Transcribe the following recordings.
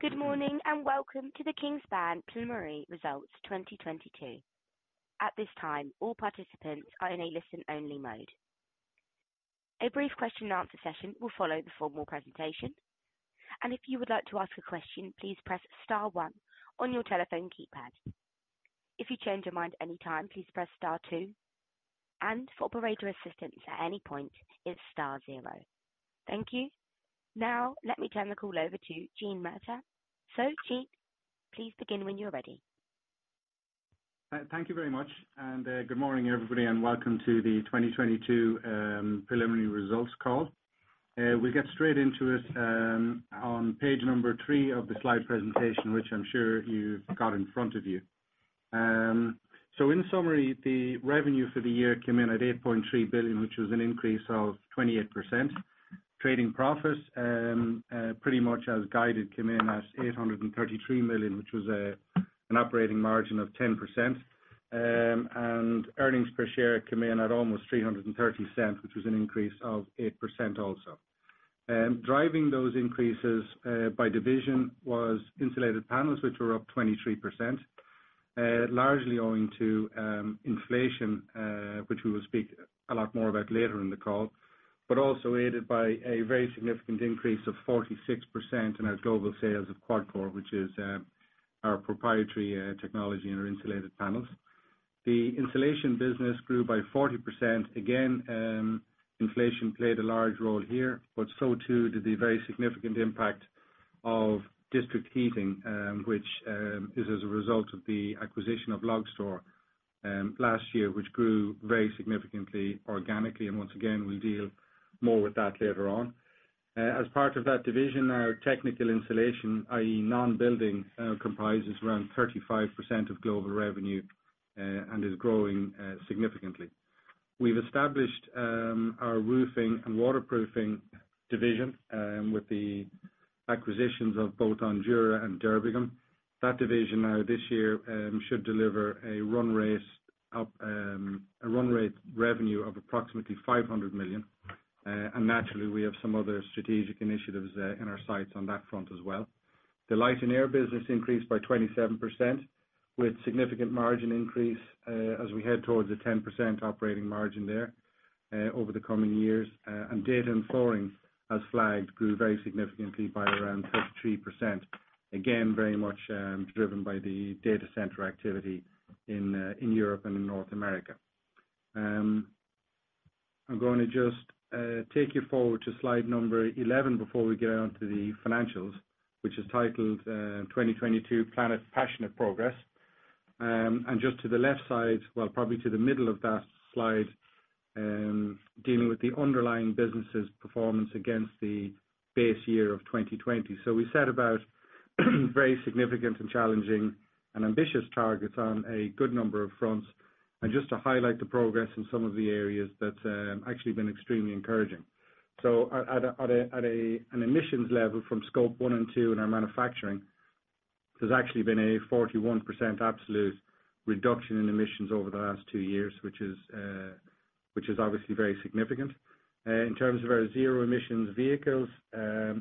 Good morning. Welcome to the Kingspan preliminary results 2022. At this time, all participants are in a listen only mode. A brief question and answer session will follow the formal presentation. If you would like to ask a question, please press star one on your telephone keypad. If you change your mind anytime, please press star two. For operator assistance at any point, it's star zero. Thank you. Now let me turn the call over to Gene Murtagh. Gene, please begin when you're ready. Thank you very much, good morning everybody and welcome to the 2022 preliminary results call. We'll get straight into it on Page number 3 of the slide presentation, which I'm sure you've got in front of you. In summary, the revenue for the year came in at 8.3 billion, which was an increase of 28%. Trading profits, pretty much as guided came in at 833 million, which was an operating margin of 10%. Earnings per share came in at almost 3.30, which was an increase of 8% also. Driving those increases by division was insulated panels, which were up 23%, largely owing to inflation, which we will speak a lot more about later in the call, but also aided by a very significant increase of 46% in our global sales of QuadCore, which is our proprietary technology in our insulated panels. The insulation business grew by 40%. Again, inflation played a large role here, but so too did the very significant impact of district heating, which is as a result of the acquisition of Logstor last year, which grew very significantly organically. Once again, we'll deal more with that later on. As part of that division now, technical insulation, i.e., non-building, comprises around 35% of global revenue and is growing significantly. We've established our roofing and waterproofing division with the acquisitions of both Ondura and Derbigum. That division now this year should deliver a run rate up a run rate revenue of approximately 500 million. Naturally we have some other strategic initiatives in our sights on that front as well. The light and air business increased by 27% with significant margin increase as we head towards a 10% operating margin there over the coming years. Data and flooring as flagged grew very significantly by around 33%. Again, very much driven by the data center activity in Europe and in North America. I'm going to just take you forward to Slide number 11 before we get onto the financials, which is titled, "2022 Planet Passionate Progress." Just to the left side, well, probably to the middle of that slide, dealing with the underlying businesses performance against the base year of 2020. We set about very significant and challenging and ambitious targets on a good number of fronts. Just to highlight the progress in some of the areas that actually been extremely encouraging. At an emissions level from Scope 1 and 2 in our manufacturing, there's actually been a 41% absolute reduction in emissions over the last two years, which is obviously very significant. In terms of our zero emissions vehicles, the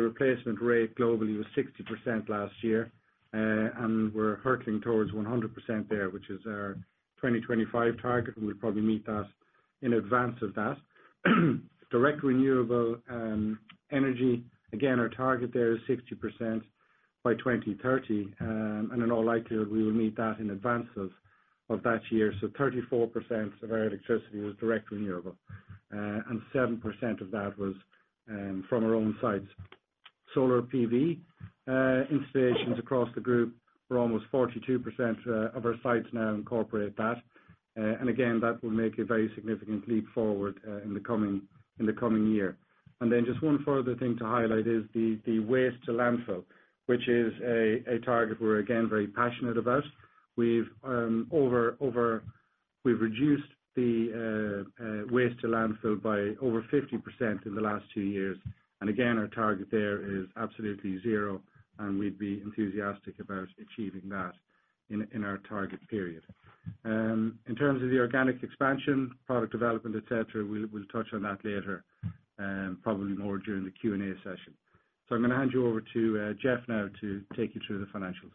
replacement rate globally was 60% last year. We're hurtling towards 100% there, which is our 2025 target, we'll probably meet that in advance of that. Direct renewable energy, again, our target there is 60% by 2030. In all likelihood we will meet that in advance of that year. 34% of our electricity was direct renewable, and 7% of that was from our own sites. Solar PV installations across the group were almost 42% of our sites now incorporate that. Again, that will make a very significant leap forward in the coming year. Just one further thing to highlight is the waste to landfill, which is a target we're again very passionate about. We've over, we've reduced the waste to landfill by over 50% in the last two years. Again, our target there is absolutely zero and we'd be enthusiastic about achieving that in our target period. In terms of the organic expansion, product development, et cetera, we'll touch on that later, probably more during the Q&A session. I'm gonna hand you over to Geoff now to take you through the financials.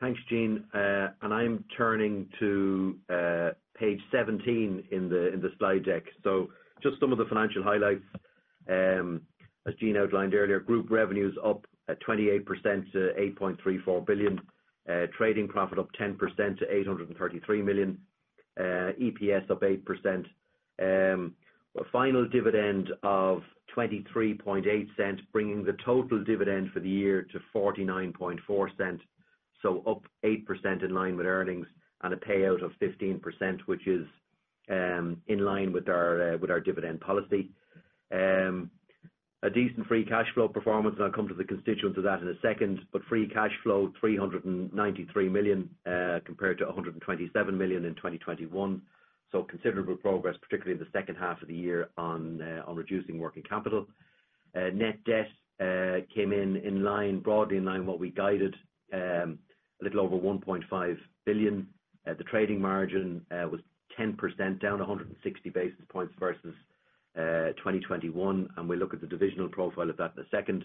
Thanks, Gene. I'm turning to Page 17 in the slide deck. Just some of the financial highlights. As Gene outlined earlier, group revenue's up at 28% to 8.34 billion. Trading profit up 10% to 833 million. EPS up 8%. A final dividend of 0.238, bringing the total dividend for the year to 0.494, up 8% in line with earnings and a payout of 15%, which is in line with our dividend policy. A decent free cash flow performance, I'll come to the constituents of that in a second. Free cash flow 393 million compared to 127 million in 2021. Considerable progress, particularly in the second half of the year on reducing working capital. Net debt came in in line, broadly in line what we guided, a little over 1.5 billion. The trading margin was 10% down 160 basis points versus 2021, and we look at the divisional profile of that in a second.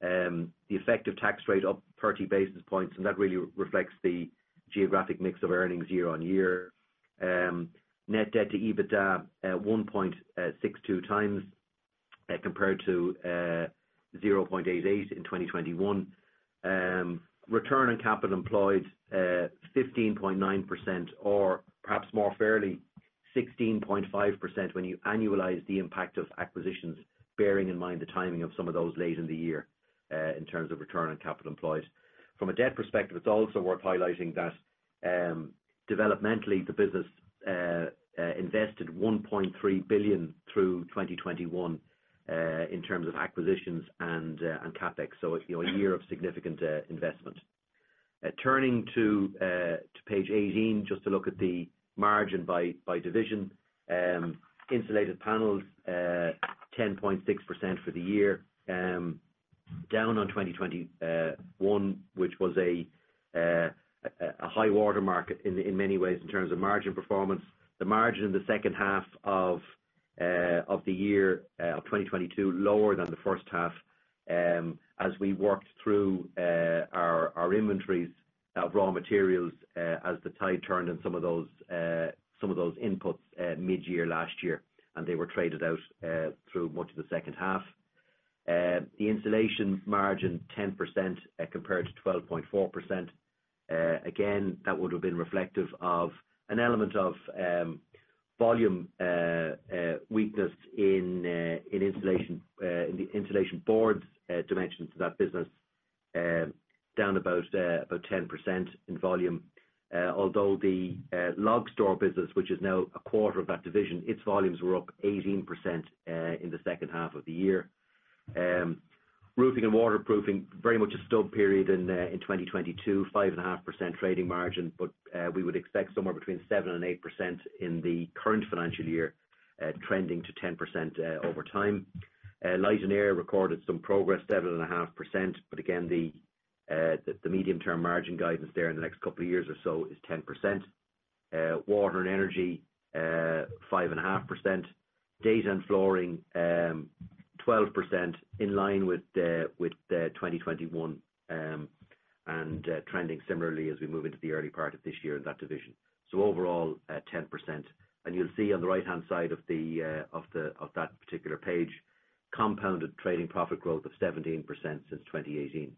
The effective tax rate up 30 basis points, and that really reflects the geographic mix of earnings year-on-year. Net debt to EBITDA at 1.62 times, compared to 0.88 in 2021. Return on capital employed, 15.9% or perhaps more fairly 16.5% when you annualize the impact of acquisitions, bearing in mind the timing of some of those late in the year, in terms of return on capital employed. From a debt perspective, it's also worth highlighting that, developmentally the business invested 1.3 billion through 2021, in terms of acquisitions and CapEx. You know, a year of significant investment. Turning to Page 18, just to look at the margin by division. Insulated panels, 10.6% for the year, down on 2021, which was a high water market in many ways in terms of margin performance. The margin in the second half of the year of 2022, lower than the first half, as we worked through our inventories of raw materials, as the tide turned on some of those inputs mid-year last year. They were traded out through much of the second half. The insulation margin 10% compared to 12.4%. Again, that would have been reflective of an element of volume weakness in insulation, in the insulation boards dimensions to that business, down about 10% in volume. Although the Logstor business, which is now a quarter of that division, its volumes were up 18% in the second half of the year. Roofing and waterproofing very much a stub period in 2022, 5.5% trading margin, but we would expect somewhere between 7%-8% in the current financial year, trending to 10% over time. Light and air recorded some progress, 7.5%. Again, the the medium-term margin guidance there in the next couple of years or so is 10%. Water and energy, 5.5%. Data and flooring, 12% in line with the with the 2021, and trending similarly as we move into the early part of this year in that division. Overall at 10%. You'll see on the right-hand side of the of that particular page, compounded trading profit growth of 17% since 2018.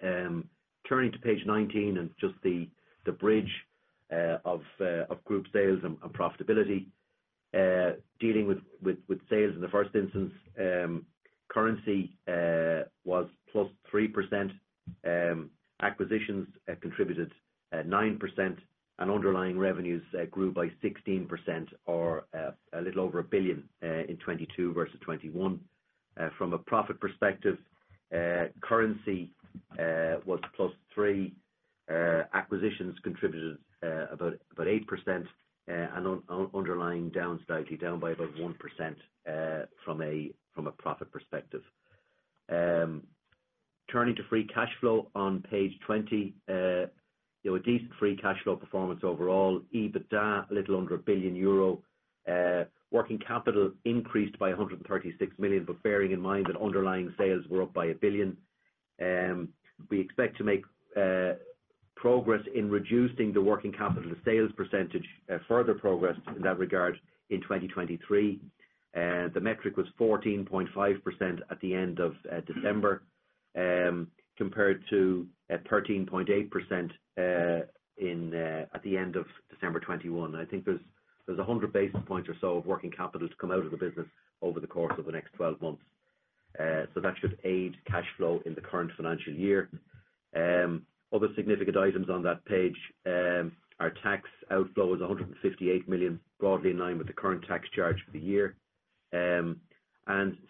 Turning to Page 19 and just the bridge of group sales and profitability. Dealing with sales in the first instance, currency was +3%. Acquisitions contributed 9%, and underlying revenues grew by 16% or a little over 1 billion in 2022 versus 2021. From a profit perspective, currency was +3%. Acquisitions contributed about 8%, and underlying down slightly, down by about 1% from a profit perspective. Turning to free cash flow on Page 20. You know, a decent free cash flow performance overall. EBITDA, a little under 1 billion euro. Working capital increased by 136 million, but bearing in mind that underlying sales were up by 1 billion. We expect to make progress in reducing the working capital to sales percentage, further progress in that regard in 2023. The metric was 14.5% at the end of December, compared to 13.8% at the end of December 2021. I think there's 100 basis points or so of working capital to come out of the business over the course of the next 12 months. That should aid cash flow in the current financial year. Other significant items on that page, our tax outflow was 158 million, broadly in line with the current tax charge for the year.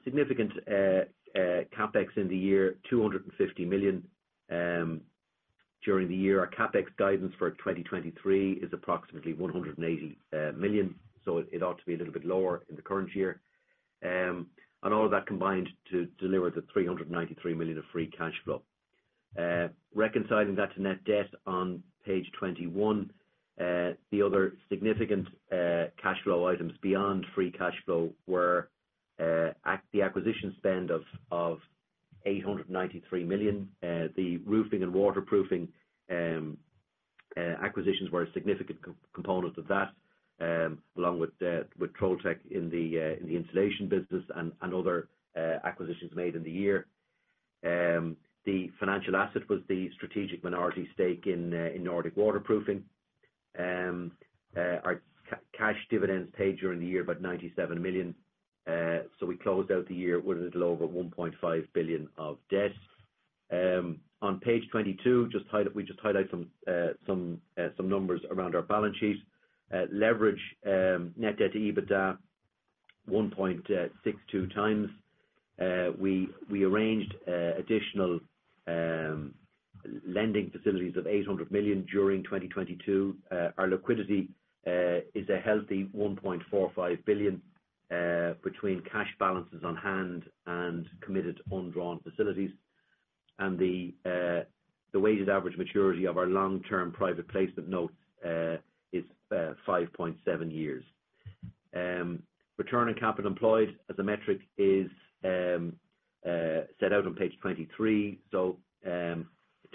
Significant CapEx in the year, 250 million during the year. Our CapEx guidance for 2023 is approximately 180 million, so it ought to be a little bit lower in the current year. All of that combined to deliver the 393 million of free cash flow. Reconciling that to net debt on Page 21. The other significant cash flow items beyond free cash flow were the acquisition spend of 893 million. The roofing and waterproofing acquisitions were a significant component of that, along with Troldtekt in the insulation business and other acquisitions made in the year. The financial asset was the strategic minority stake in Nordic Waterproofing. Our cash dividends paid during the year about 97 million. We closed out the year with a little over 1.5 billion of debt. On Page 22, we just highlight some numbers around our balance sheet. Leverage, Net debt to EBITDA, 1.62x. We arranged additional lending facilities of 800 million during 2022. Our liquidity is a healthy 1.45 billion between cash balances on hand and committed undrawn facilities. The weighted average maturity of our long-term private placement notes is 5.7 years. Return on capital employed as a metric is set out on Page 23. In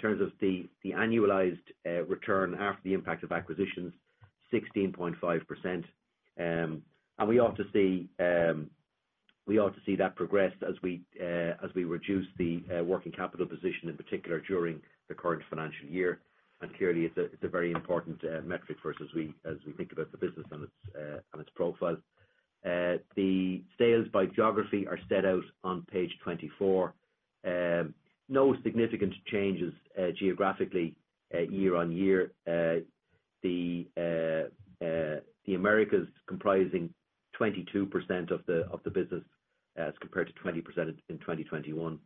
terms of the annualized return after the impact of acquisitions, 16.5%. We ought to see that progress as we reduce the working capital position, in particular during the current financial year. Clearly it's a very important metric for us as we think about the business and its profile. The sales by geography are set out on Page 24. No significant changes geographically year on year. The Americas comprising 22% of the business, as compared to 20% in 2021.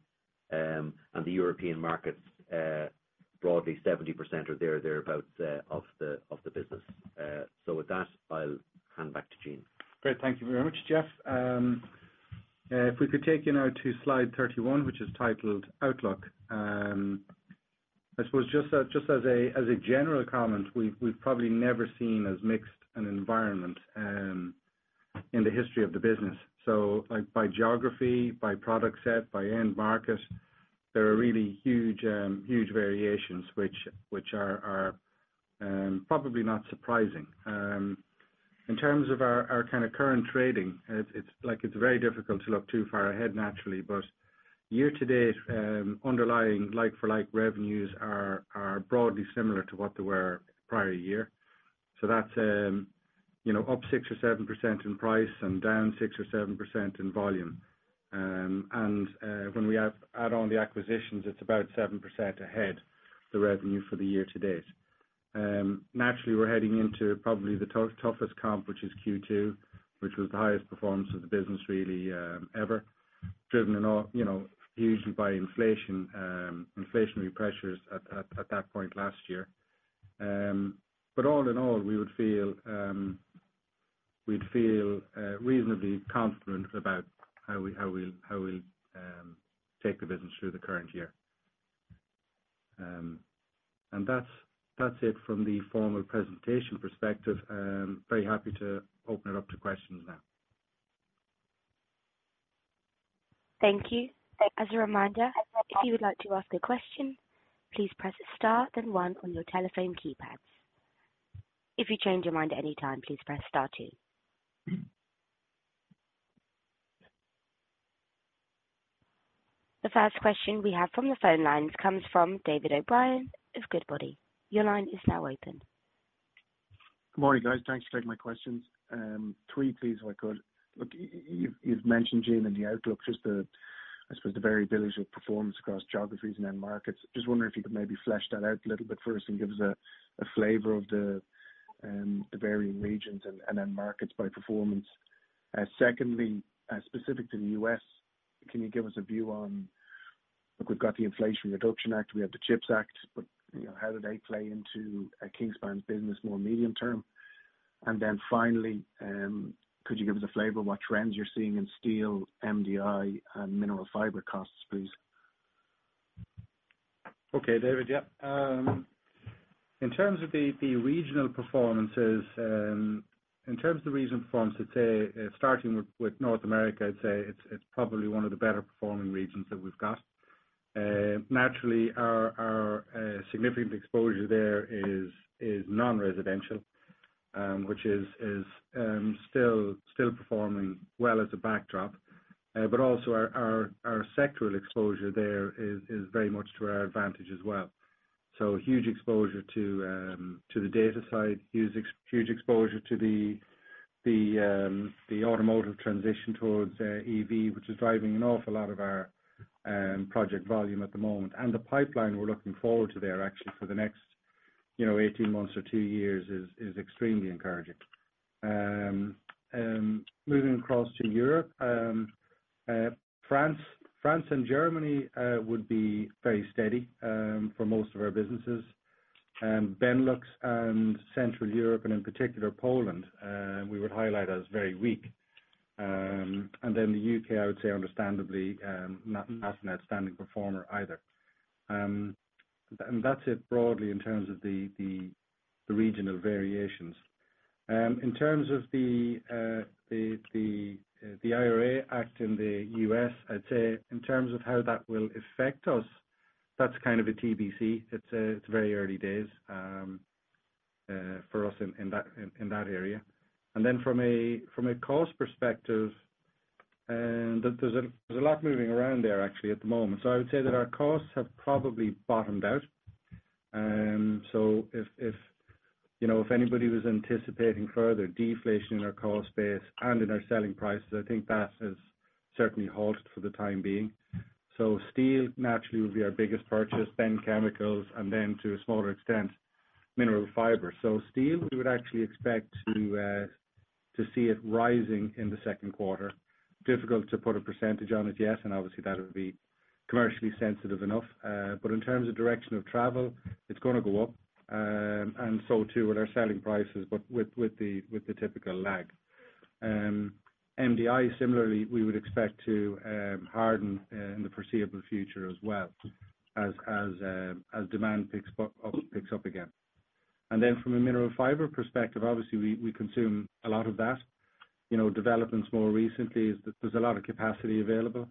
The European markets broadly 70% or there or thereabouts of the business. With that, I'll hand back to Gene. Great. Thank you very much, Geoff. If we could take you now to Slide 31, which is titled Outlook. I suppose just as a general comment, we've probably never seen as mixed an environment in the history of the business. Like by geography, by product set, by end market, there are really huge variations which are probably not surprising. In terms of our kind of current trading, it's like it's very difficult to look too far ahead naturally, but year to date, underlying like-for-like revenues are broadly similar to what they were prior year. That's, you know, up 6% or 7% in price and down 6% or 7% in volume. When we add on the acquisitions, it's about 7% ahead the revenue for the year to date. Naturally, we're heading into probably the toughest comp, which is Q2, which was the highest performance of the business really ever, driven in all, you know, usually by inflation, inflationary pressures at that point last year. All in all, we'd feel reasonably confident about how we take the business through the current year. That's, that's it from the formal presentation perspective. Very happy to open it up to questions now. Thank you. As a reminder, if you would like to ask a question, please press star then one on your telephone keypads. If you change your mind at any time, please press star two. The first question we have from the phone lines comes from David O'Brien of Goodbody. Your line is now open. Good morning, guys. Thanks for taking my questions. Three please if I could. Look, you've mentioned Gene and the outlook, just the, I suppose, the variability of performance across geographies and end markets. Just wondering if you could maybe flesh that out a little bit first and give us a flavor of the varying regions and end markets by performance. Secondly, specific to the U.S., can you give us a view on, look, we've got the Inflation Reduction Act, we have the CHIPS Act, you know, how do they play into Kingspan's business more medium term? Finally, could you give us a flavor of what trends you're seeing in steel, MDI, and mineral fiber costs, please? Okay, David. Yeah. In terms of the regional performances, in terms of the regional performance, I'd say, starting with North America, it's probably one of the better performing regions that we've got. Naturally our significant exposure there is non-residential, which is still performing well as a backdrop. Also our sectoral exposure there is very much to our advantage as well. Huge exposure to the data side, huge exposure to the automotive transition towards EV, which is driving an awful lot of our project volume at the moment. The pipeline we're looking forward to there actually for the next, you know, 18 months or two years is extremely encouraging. Moving across to Europe, France. France and Germany would be very steady for most of our businesses. Benelux and Central Europe and in particular Poland, we would highlight as very weak. Then the U.K., I would say understandably, not an outstanding performer either. That's it broadly in terms of the regional variations. In terms of the IRA act in the U.S., I'd say in terms of how that will affect us, that's kind of a TBC. It's very early days for us in that area. From a cost perspective, there's a lot moving around there actually at the moment. I would say that our costs have probably bottomed out. If, you know, if anybody was anticipating further deflation in our cost base and in our selling prices, I think that has certainly halted for the time being. Steel naturally would be our biggest purchase then chemicals, and then to a smaller extent, mineral fiber. Steel we would actually expect to see it rising in the second quarter. Difficult to put a percentage on it yet, obviously that would be commercially sensitive enough. In terms of direction of travel, it's gonna go up. Too will our selling prices, but with the typical lag. MDI similarly, we would expect to harden in the foreseeable future as well as demand picks up again. From a mineral fiber perspective, obviously we consume a lot of that. You know, developments more recently is that there's a lot of capacity available.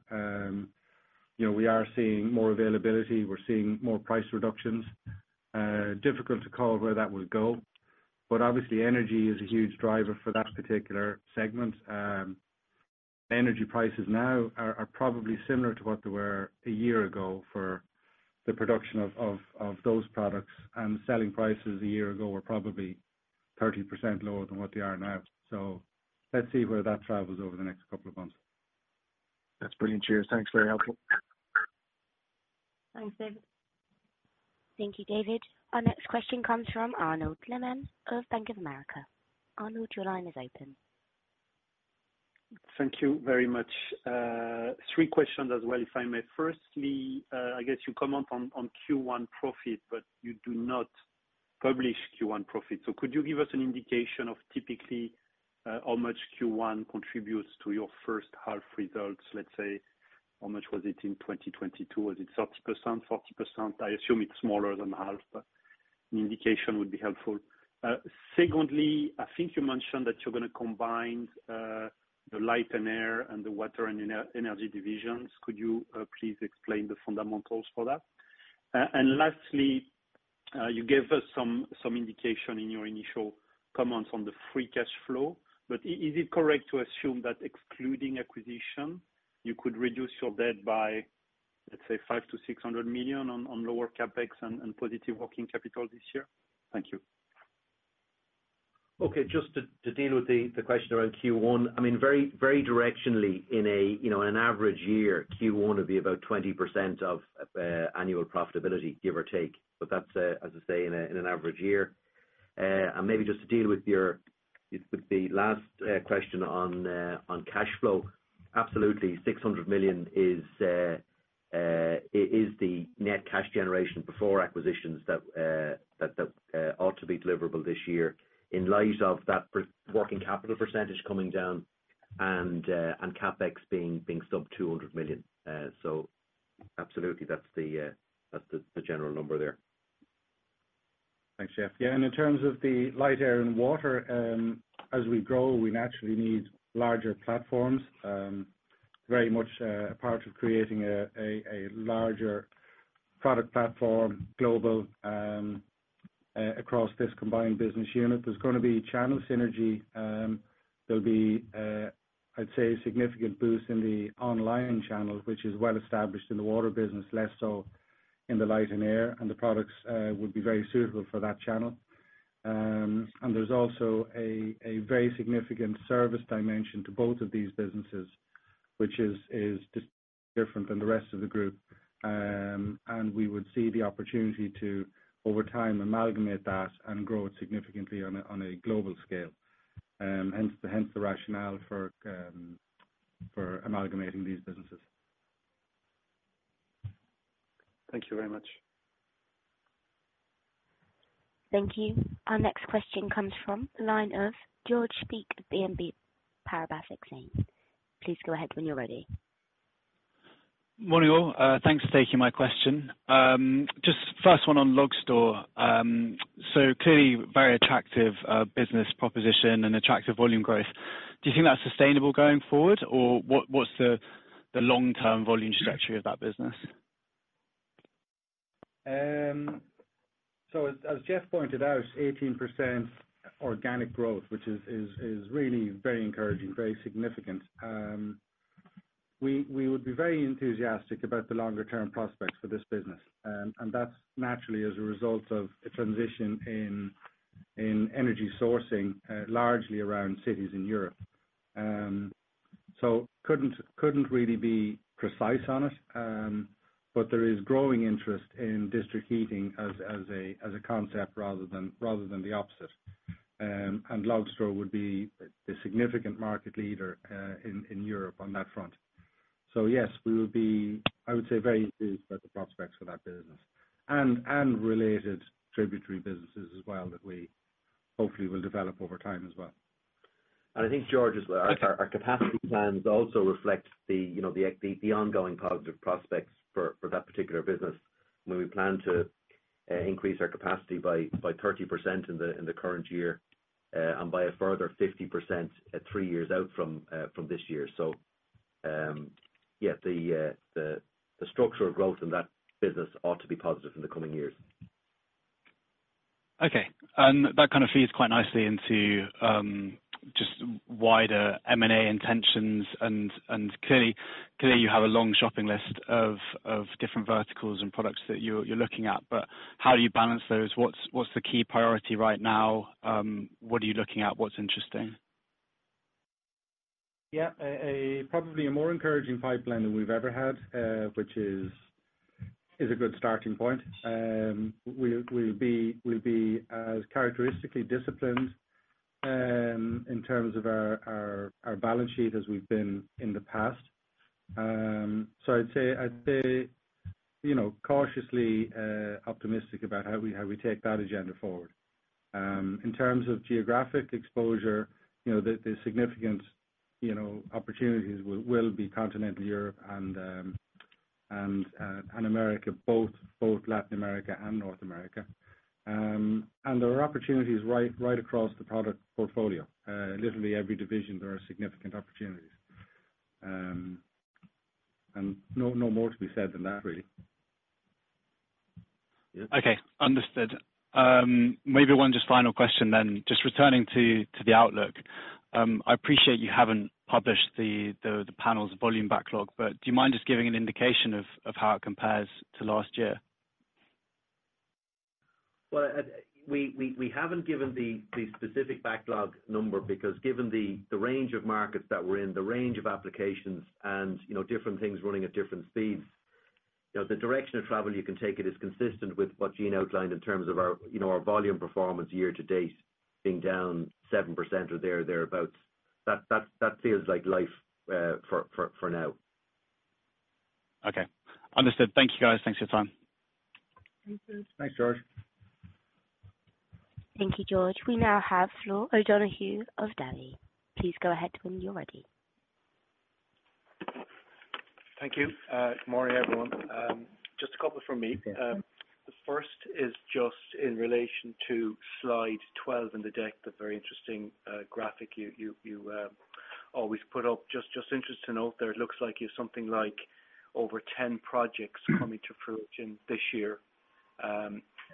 You know, we are seeing more availability, we're seeing more price reductions. Difficult to call where that will go, but obviously energy is a huge driver for that particular segment. Energy prices now are probably similar to what they were a year ago for the production of those products, and selling prices a year ago were probably 30% lower than what they are now. Let's see where that travels over the next couple of months. That's brilliant. Cheers. Thanks. Very helpful. Thanks, David. Thank you, David. Our next question comes from Arnaud Lehmann of Bank of America. Arnaud, your line is open. Thank you very much. Three questions as well, if I may. Firstly, I guess you comment on Q1 profit, but you do not publish Q1 profit. Could you give us an indication of typically, how much Q1 contributes to your first half results, let's say, how much was it in 2022? Was it 30%, 40%? I assume it's smaller than half. An indication would be helpful. Secondly, I think you mentioned that you're gonna combine the light and air and the water and energy divisions. Could you please explain the fundamentals for that? Lastly, you gave us some indication in your initial comments on the free cash flow. Is it correct to assume that excluding acquisition, you could reduce your debt by, let's say, 500 million-600 million on lower CapEx and positive working capital this year? Thank you. Okay. Just to deal with the question around Q1, I mean, very, very directionally in a, you know, in an average year, Q1 would be about 20% of annual profitability, give or take. That's as I say, in an average year. Maybe just to deal with your, with the last question on cash flow. Absolutely, 600 million is the net cash generation before acquisitions that ought to be deliverable this year in light of that pre-working capital percentage coming down and CapEx being sub 200 million. Absolutely that's the, that's the general number there. Thanks, Geoff. Yeah, in terms of the light, air and water, as we grow, we naturally need larger platforms. Very much a part of creating a larger product platform global across this combined business unit. There's going to be channel synergy. There'll be, I'd say a significant boost in the online channel, which is well established in the water business, less so in the light and air, and the products would be very suitable for that channel. There's also a very significant service dimension to both of these businesses, which is just different than the rest of the group. We would see the opportunity to over time amalgamate that and grow it significantly on a global scale. Hence the rationale for amalgamating these businesses. Thank you very much. Thank you. Our next question comes from the line of George Bec, BNP Paribas Exane. Please go ahead when you're ready. Morning, all. Thanks for taking my question. Just first one on Logstor. Clearly very attractive business proposition and attractive volume growth. Do you think that's sustainable going forward? Or what's the long-term volume trajectory of that business? As, as Geoff pointed out, 18% organic growth, which is really very encouraging, very significant. We would be very enthusiastic about the longer term prospects for this business. That's naturally as a result of a transition in energy sourcing, largely around cities in Europe. Couldn't really be precise on it. There is growing interest in district heating as a concept rather than the opposite. Logstor would be the significant market leader in Europe on that front. Yes, we would be, I would say, very enthused about the prospects for that business and related tributary businesses as well, that we hopefully will develop over time as well. I think George as well, our capacity plans also reflect you know, the ongoing positive prospects for that particular business when we plan to increase our capacity by 30% in the current year, and by a further 50% at three years out from this year. Yeah, the structural growth in that business ought to be positive in the coming years. Okay. That kind of feeds quite nicely into just wider M&A intentions. Clearly you have a long shopping list of different verticals and products that you're looking at, but how do you balance those? What's the key priority right now? What are you looking at? What's interesting? Yeah. A, probably a more encouraging pipeline than we've ever had, which is a good starting point. We'll be as characteristically disciplined, in terms of our balance sheet as we've been in the past. I'd say, you know, cautiously, optimistic about how we, how we take that agenda forward. In terms of geographic exposure, you know, the significant, you know, opportunities will be continental Europe and America, both Latin America and North America. There are opportunities right across the product portfolio. Literally every division there are significant opportunities. No more to be said than that, really. Yeah. Okay, understood. Maybe one just final question then. Just returning to the outlook, I appreciate you haven't published the panels volume backlog, but do you mind just giving an indication of how it compares to last year? Well, we haven't given the specific backlog number because given the range of markets that we're in, the range of applications and, you know, different things running at different speeds, you know, the direction of travel you can take it is consistent with what Gene outlined in terms of our, you know, our volume performance year to date being down 7% or there or thereabouts. That feels like life for now. Okay. Understood. Thank you, guys. Thanks for your time. Thank you. Thanks, George. Thank you, George. We now have Flor O'Donoghue of Davy. Please go ahead when you're ready. Thank you. Good morning, everyone. Just a couple from me. The first is just in relation to Slide 12 in the deck, the very interesting graphic you always put up. Just interested to note there, it looks like you have something like over 10 projects coming to fruition this year.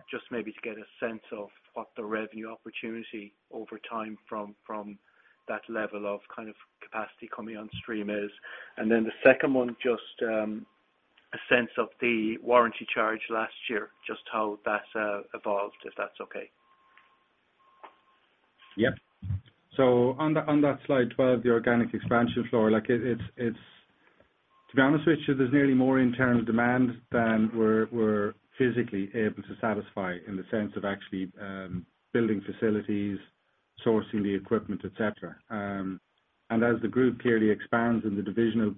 Just maybe to get a sense of what the revenue opportunity over time from that level of kind of capacity coming on stream is. The second one, just a sense of the warranty charge last year, just how that evolved, if that's okay. Yep. On that, on that Slide 12, the organic expansion. To be honest with you, there's nearly more internal demand than we're physically able to satisfy in the sense of actually building facilities, sourcing the equipment, et cetera. As the group clearly expands and the divisional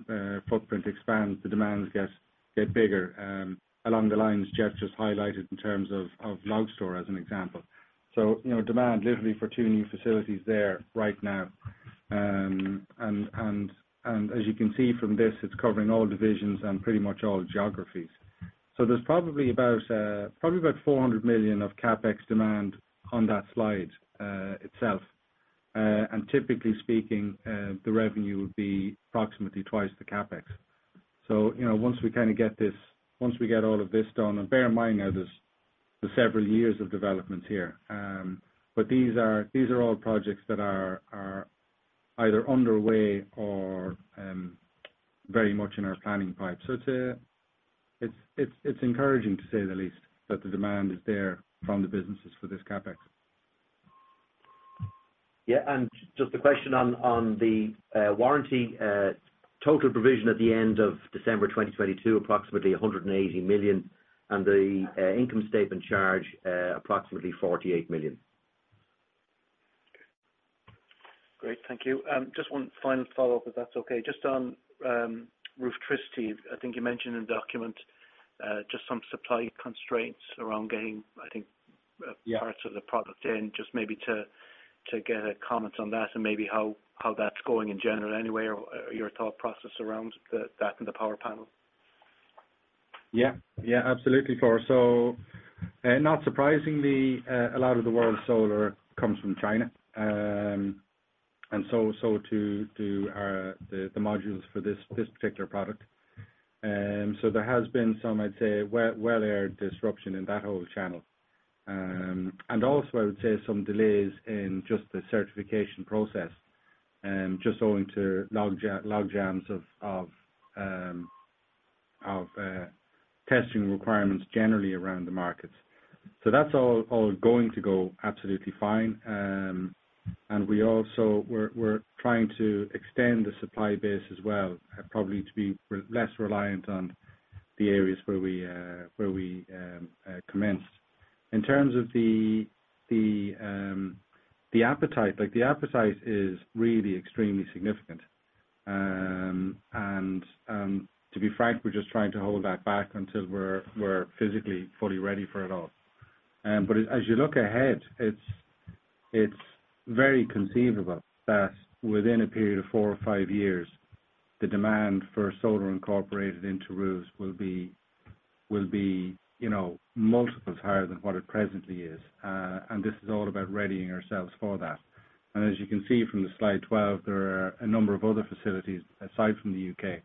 footprint expands, the demands get bigger along the lines Geoff just highlighted in terms of Logstor as an example. You know, demand literally for two new facilities there right now. As you can see from this, it's covering all divisions and pretty much all geographies. There's probably about 400 million of CapEx demand on that slide itself. Typically speaking, the revenue would be approximately twice the CapEx. You know, once we kinda get this, once we get all of this done, bear in mind, there's several years of development here. These are all projects that are either underway or very much in our planning pipe. It's encouraging to say the least, that the demand is there from the businesses for this CapEx. Just a question on the warranty total provision at the end of December 2022, approximately 180 million, and the income statement charge, approximately 48 million. Great. Thank you. Just one final follow-up, if that's okay. Just on Rooftricity, you mentioned in the document, just some supply constraints around getting. Yeah ...parts of the product in. Just maybe to get a comment on that and maybe how that's going in general anyway or your thought process around that and the PowerPanel. Yeah. Yeah. Absolutely, Flor. Not surprisingly, a lot of the world's solar comes from China. To the modules for this particular product. There has been some, I'd say, well aired disruption in that whole channel. Also I would say some delays in just the certification process, just owing to log jams of testing requirements generally around the markets. That's all going to go absolutely fine. We're trying to extend the supply base as well, probably to be less reliant on the areas where we commenced. In terms of the appetite, like the appetite is really extremely significant. To be frank, we're just trying to hold that back until we're physically fully ready for it all. As you look ahead, it's very conceivable that within a period of four or five years, the demand for solar incorporated into roofs will be, you know, multiples higher than what it presently is. This is all about readying ourselves for that. As you can see from the Slide 12, there are a number of other facilities aside from the U.K.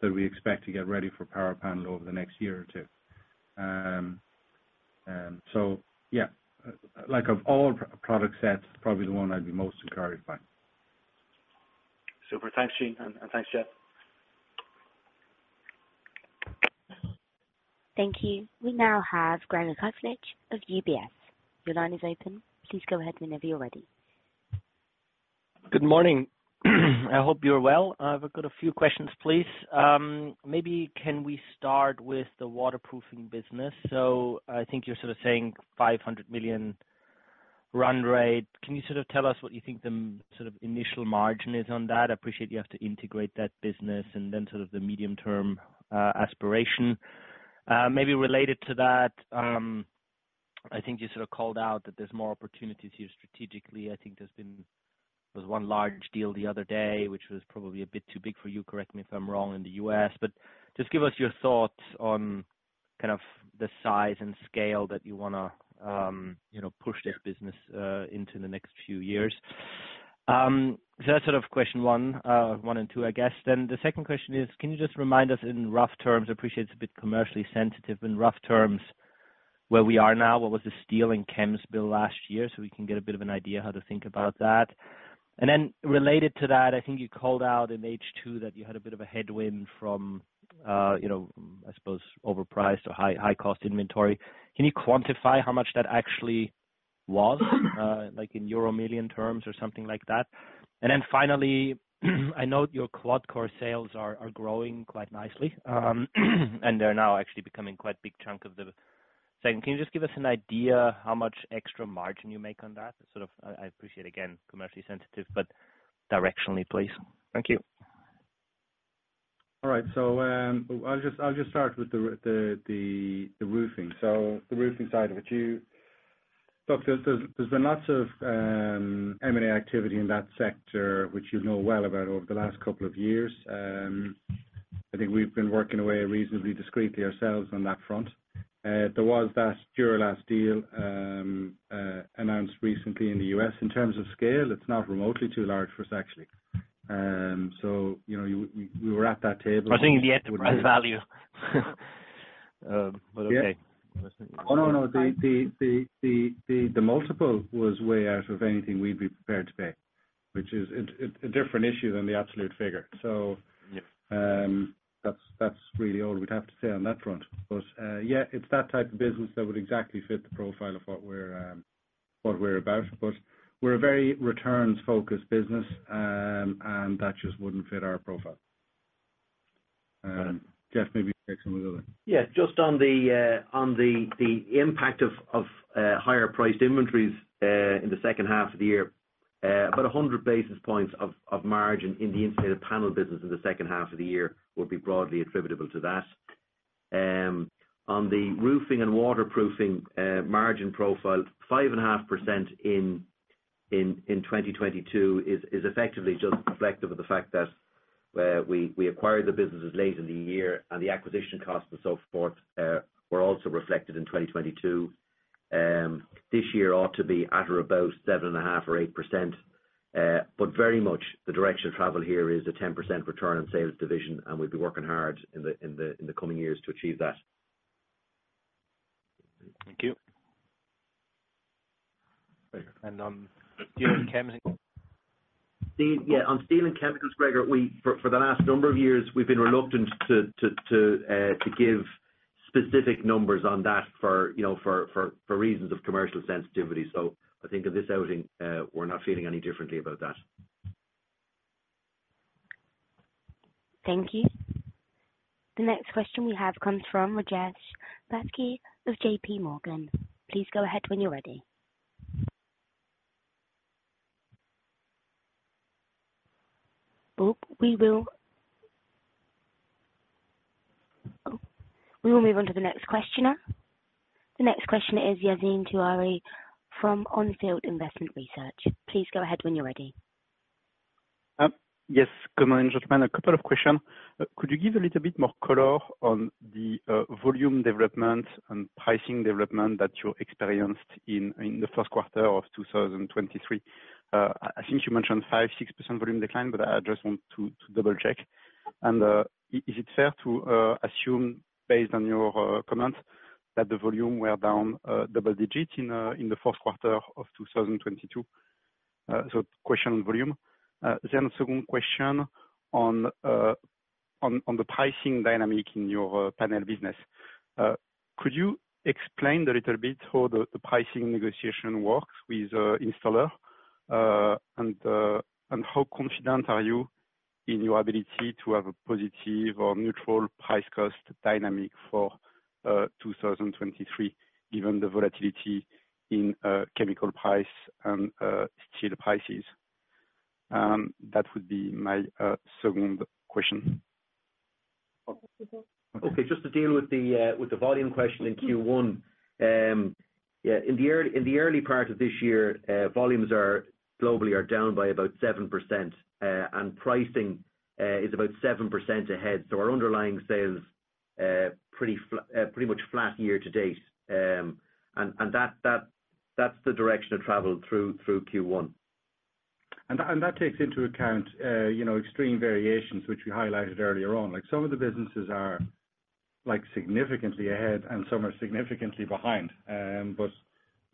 that we expect to get ready for PowerPanel over the next year or two. Yeah. Like of all product sets, probably the one I'd be most encouraged by. Super. Thanks, Gene, and thanks, Geoff. Thank you. We now have Gregor Kuglitsch of UBS. Your line is open. Please go ahead whenever you're ready. Good morning. I hope you are well. I've got a few questions, please. Maybe can we start with the waterproofing business? I think you're sort of saying 500 million. Run rate. Can you sort of tell us what you think the sort of initial margin is on that? I appreciate you have to integrate that business and then sort of the medium-term aspiration. Maybe related to that, I think you sort of called out that there's more opportunities here strategically. I think there was one large deal the other day, which was probably a bit too big for you, correct me if I'm wrong, in the U.S. Just give us your thoughts on kind of the size and scale that you wanna, you know, push this business into the next few years. That's sort of question one and two, I guess. The second question is, can you just remind us in rough terms, I appreciate it's a bit commercially sensitive, in rough terms, where we are now? What was the steel and chems bill last year, so we can get a bit of an idea how to think about that. Related to that, I think you called out in H2 that you had a bit of a headwind from, you know, I suppose overpriced or high-cost inventory. Can you quantify how much that actually was, like in euro million terms or something like that? Finally, I know your QuadCore sales are growing quite nicely, and they're now actually becoming quite big chunk of the same. Can you just give us an idea how much extra margin you make on that? I appreciate, again, commercially sensitive, but directionally, please. Thank you. All right. I'll just start with the roofing. The roofing side of it. Look, there's been lots of M&A activity in that sector, which you know well about over the last couple of years. I think we've been working away reasonably discreetly ourselves on that front. There was that Duro-Last deal announced recently in the U.S. In terms of scale, it's not remotely too large for us, actually. You know, you were at that table. I think in the end the price value. but okay. Oh, no. The multiple was way out of anything we'd be prepared to pay, which is a different issue than the absolute figure. Yeah. That's, that's really all we'd have to say on that front. Yeah, it's that type of business that would exactly fit the profile of what we're what we're about. We're a very returns-focused business, and that just wouldn't fit our profile. Geoff, maybe you can take some of the other. Just on the, on the impact of higher priced inventories, in the second half of the year, about 100 basis points of margin in the insulated panel business in the second half of the year will be broadly attributable to that. On the roofing and waterproofing margin profile, 5.5% in 2022 is effectively just reflective of the fact that we acquired the businesses late in the year and the acquisition costs and so forth were also reflected in 2022. This year ought to be at or about 7.5% or 8%. Very much the direction of travel here is a 10% return on sales division, and we'll be working hard in the coming years to achieve that. Thank you. On steel and chemicals. Yeah, on steel and chemicals, Gregor, we for the last number of years we've been reluctant to give specific numbers on that for, you know, for reasons of commercial sensitivity. I think at this outing, we're not feeling any differently about that. Thank you. The next question we have comes from Rajesh Bhatti of JPMorgan. Please go ahead when you're ready. We will move on to the next questioner. The next question is Yassine Touahri from On Field Investment Research. Please go ahead when you're ready. Yes. Good morning, gentlemen. A couple of questions. Could you give a little bit more color on the volume development and pricing development that you experienced in the first quarter of 2023? I think you mentioned 5%, 6% volume decline, but I just want to double-check. Is it fair to assume based on your comments that the volume were down double digits in the first quarter of 2022? Question volume. Second question on the pricing dynamic in your panel business. Could you explain a little bit how the pricing negotiation works with installer? How confident are you in your ability to have a positive or neutral price cost dynamic for 2023, given the volatility in chemical price and steel prices? That would be my second question. Okay. Just to deal with the volume question in Q1. Yeah, in the early part of this year, volumes are globally are down by about 7%, and pricing is about 7% ahead. Our underlying sales, pretty much flat year to date. That's the direction of travel through Q1. That, and that takes into account, you know, extreme variations which we highlighted earlier on. Like, some of the businesses are, like, significantly ahead and some are significantly behind. But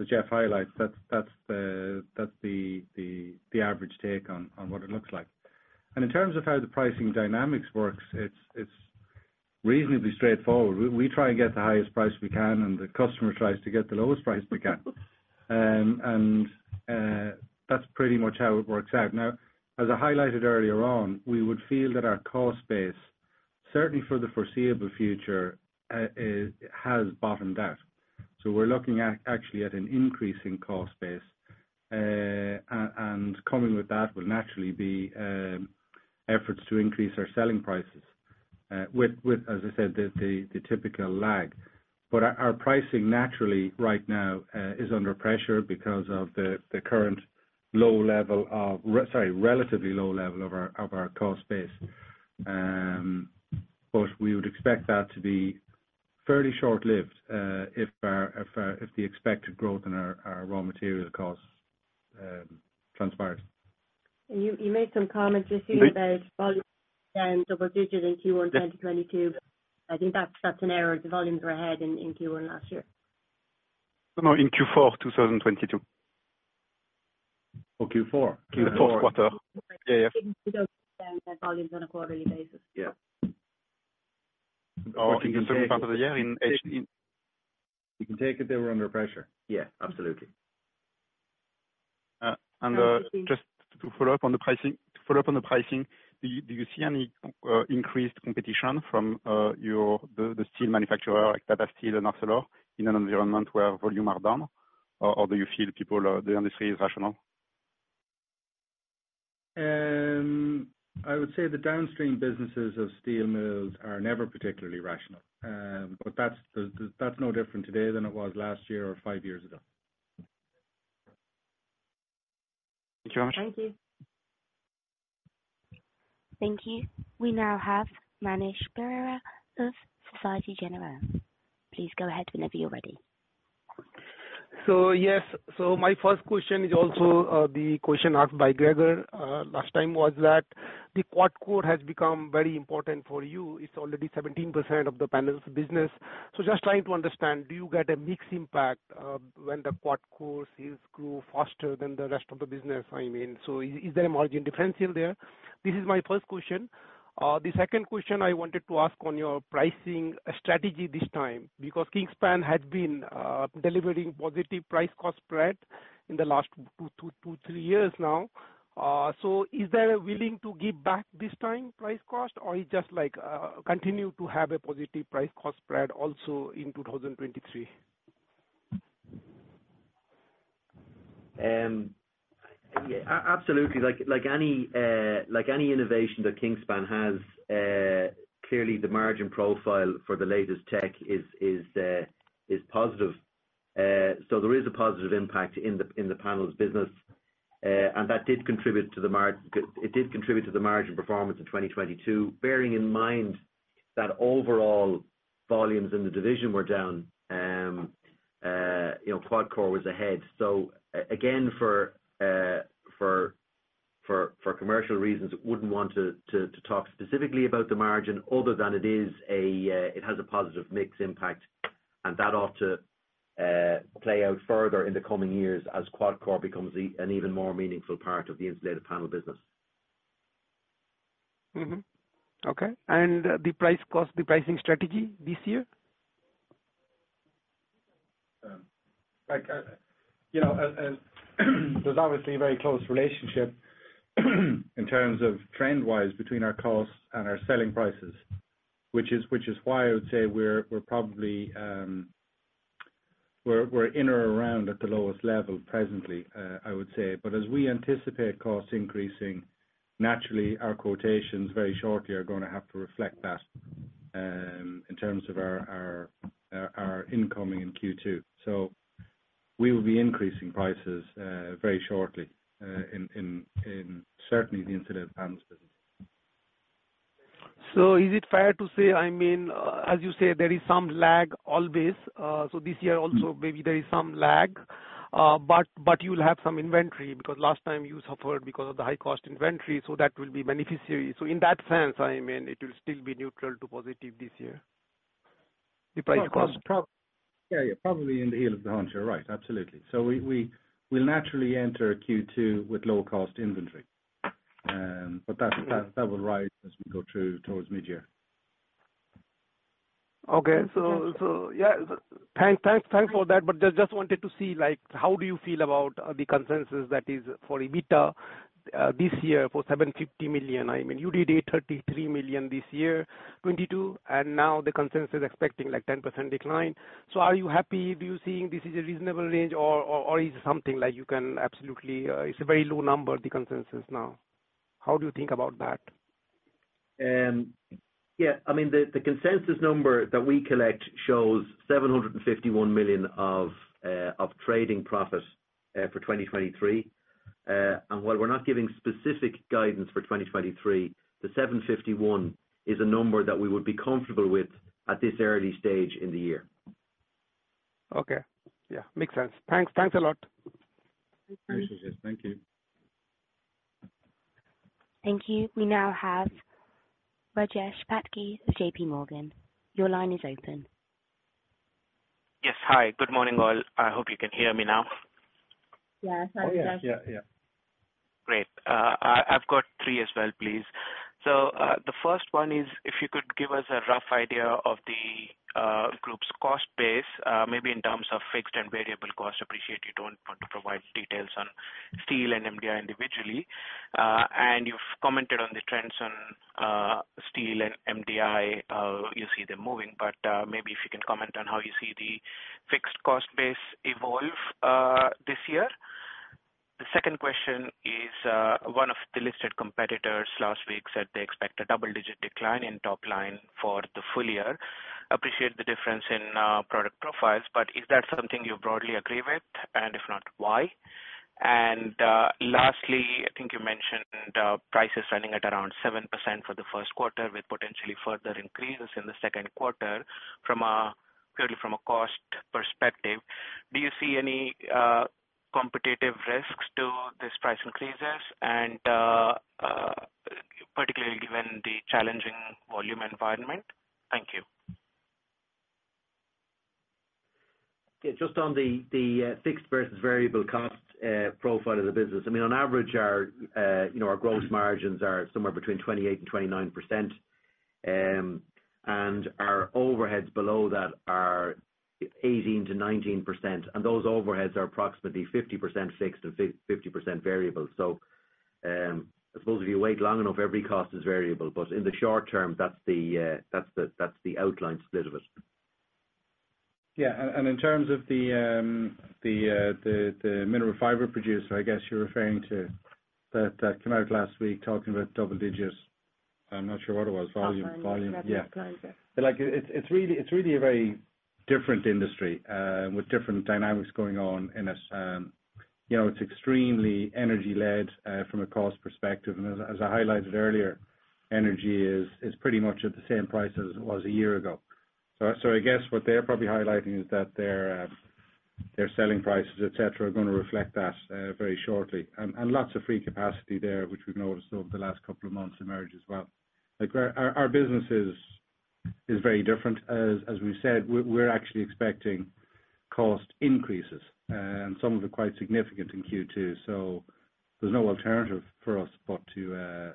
as Geoff highlights, that's the, that's the average take on what it looks like. In terms of how the pricing dynamics works, it's reasonably straightforward. We, we try and get the highest price we can, and the customer tries to get the lowest price we can. That's pretty much how it works out. As I highlighted earlier on, we would feel that our cost base. Certainly for the foreseeable future, it has bottomed out. We're looking at actually at an increase in cost base. Coming with that will naturally be efforts to increase our selling prices, as I said, the typical lag. Our pricing naturally right now is under pressure because of the current low level of relatively low level of our cost base. We would expect that to be fairly short-lived if the expected growth in our raw material costs transpires. You made some comments just here about volume down double digits in Q1 in 2022. I think that's an error. The volumes were ahead in Q1 last year. No, in Q4 2022. Oh, Q4. Q4. The fourth quarter. Yeah, yeah. You don't understand their volumes on a quarterly basis. Yeah. In the second part of the year in. You can take it they were under pressure. Yeah, absolutely. Just to follow up on the pricing, do you see any increased competition from your, the steel manufacturer like Tata Steel and ArcelorMittal in an environment where volume are down? Or do you feel the industry is rational? I would say the downstream businesses of steel mills are never particularly rational. That's no different today than it was last year or five years ago. Thank you very much. Thank you. Thank you. We now have Manish Beria of Société Générale. Please go ahead whenever you're ready. Yes. My first question is also the question asked by Gregor. Last time was that the QuadCore has become very important for you. It's already 17% of the panels business. Just trying to understand, do you get a mix impact when the QuadCore sales grow faster than the rest of the business? I mean, is there a margin differential there? This is my first question. The second question I wanted to ask on your pricing strategy this time, because Kingspan has been delivering positive price cost spread in the last two, three years now. Is there a willing to give back this time price cost, or it just like, continue to have a positive price cost spread also in 2023? Yeah. Absolutely like any innovation that Kingspan has, clearly the margin profile for the latest tech is positive. There is a positive impact in the panels business. That did contribute to the margin performance in 2022. Bearing in mind that overall volumes in the division were down, you know, QuadCore was ahead. Again, for commercial reasons, wouldn't want to talk specifically about the margin other than it is a positive mix impact and that ought to play out further in the coming years as QuadCore becomes an even more meaningful part of the insulated panel business. Mm-hmm. Okay. The price cost, the pricing strategy this year? Like, you know, there's obviously a very close relationship in terms of trend-wise between our costs and our selling prices, which is why I would say we're probably, we're in or around at the lowest level presently, I would say. As we anticipate costs increasing, naturally our quotations very shortly are going to have to reflect that, in terms of our incoming in Q2. We will be increasing prices, very shortly, in certainly the insulated panels business. Is it fair to say, I mean, as you say, there is some lag always? This year also maybe there is some lag, but you'll have some inventory because last time you suffered because of the high cost inventory, so that will be beneficiary. In that sense, I mean it will still be neutral to positive this year, the price cost. Yeah. Yeah. Probably in the heel of the hunter, right. Absolutely. We will naturally enter Q2 with lower cost inventory. That will rise as we go through towards midyear. Okay. Yeah. Thanks for that. Just wanted to see, like how do you feel about the consensus that is for EBITDA this year for 750 million. I mean, you did 833 million this year, 2022, and now the consensus is expecting like 10% decline. Are you happy? Do you think this is a reasonable range or is it something like you can absolutely... It's a very low number, the consensus now. How do you think about that? Yeah. I mean, the consensus number that we collect shows 751 million of trading profit for 2023. While we're not giving specific guidance for 2023, the 751 is a number that we would be comfortable with at this early stage in the year. Okay. Yeah. Makes sense. Thanks. Thanks a lot. Thank you. Thank you. We now have Rajesh Patki of JPMorgan. Your line is open. Yes. Hi. Good morning all. I hope you can hear me now. Yes. Oh, yes. Yeah, yeah. Great. I've got three as well, please. The first one is if you could give us a rough idea of the group's cost base, maybe in terms of fixed and variable cost. Appreciate you don't want to provide details on steel and MDI individually, and you've commented on the trends on steel and MDI. You see them moving, but maybe if you can comment on how you see the fixed cost base evolve this year. The second question is, one of the listed competitors last week said they expect a double-digit decline in top line for the full year. Appreciate the difference in product profiles, but is that something you broadly agree with? If not, why? Lastly, I think you mentioned prices running at around 7% for the first quarter, with potentially further increases in the second quarter from purely from a cost perspective. Do you see any competitive risks to these price increases, and particularly given the challenging volume environment? Thank you. Yeah. Just on the fixed versus variable cost profile of the business. I mean, on average our, you know, our gross margins are somewhere between 28% and 29%. Our overheads below that are 18%-19%, and those overheads are approximately 50% fixed and 50% variable. I suppose if you wait long enough, every cost is variable, but in the short term, that's the outline split of it. Yeah. In terms of the mineral fiber producer, I guess you're referring to, that came out last week talking about double digits. I'm not sure what it was. Volume. Topline Volume. Yeah. Like it's really, it's really a very different industry, with different dynamics going on in it. You know, it's extremely energy led from a cost perspective. As I highlighted earlier, energy is pretty much at the same price as it was a year ago. I guess what they're probably highlighting is that their selling prices, et cetera, are gonna reflect that very shortly. Lots of free capacity there, which we've noticed over the last couple of months emerge as well. Like our business is very different. As we've said, we're actually expecting cost increases, and some of the quite significant in Q2. There's no alternative for us but to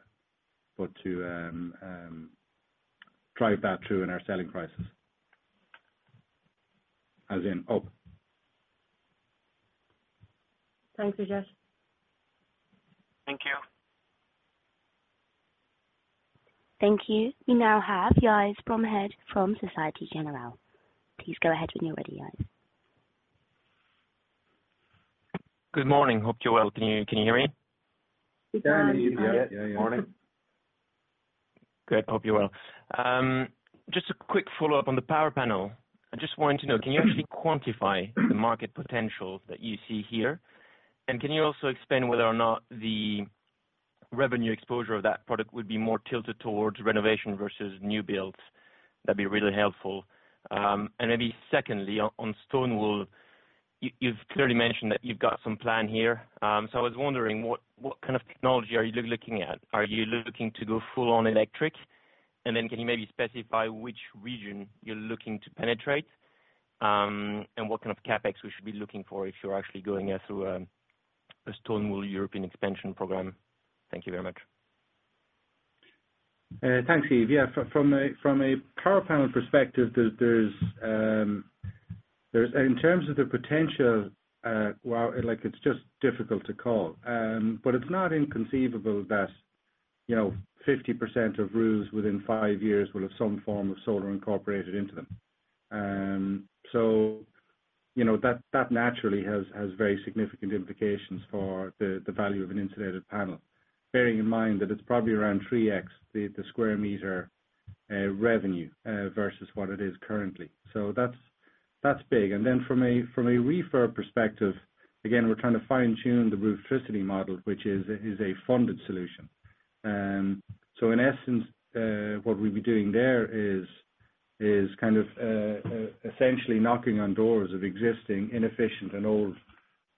drive that through in our selling prices. As in up. Thank you, Geoff. Thank you. Thank you. We now have Yves Bomehard from Société Générale. Please go ahead when you're ready, Yves. Good morning. Hope you're well. Can you hear me? We can. Yeah. Yeah. Morning. Good. Hope you're well. Just a quick follow-up on the PowerPanel. I just wanted to know, can you actually quantify the market potential that you see here? Can you also explain whether or not the revenue exposure of that product would be more tilted towards renovation versus new builds? That'd be really helpful. Maybe secondly, on stone wool, you've clearly mentioned that you've got some plan here. I was wondering what kind of technology are you looking at? Are you looking to go full on electric? Can you maybe specify which region you're looking to penetrate, and what kind of CapEx we should be looking for if you're actually going through a stone wool European expansion program? Thank you very much. Thanks, Yves Bomehard. Yeah. From a, from a PowerPanel perspective there's in terms of the potential, well, like it's just difficult to call. It's not inconceivable that, you know, 50% of roofs within five years will have some form of solar incorporated into them. You know, that naturally has very significant implications for the value of an insulated panel. Bearing in mind that it's probably around 3x the square meter revenue versus what it is currently. That's big. From a, from a refurb perspective, again, we're trying to fine-tune the Rooftricity model, which is a funded solution. In essence, what we'd be doing there is essentially knocking on doors of existing inefficient and old